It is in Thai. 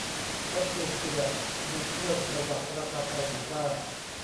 แพตทริเซียมีเครื่องประดับราคาแพงอยู่บ้าง